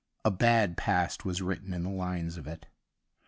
A bad past was written in the lines of it.